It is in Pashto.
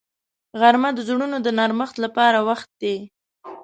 غرمه د زړونو د نرمښت لپاره وخت دی